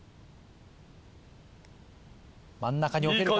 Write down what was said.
真ん中に置けるか？